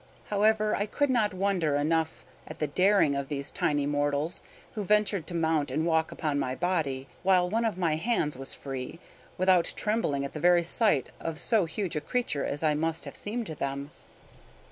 However, I could not wonder enough at the daring of these tiny mortals, who ventured to mount and walk upon my body, while one of my hands was free, without trembling at the very sight of so huge a creature as I must have seemed to them.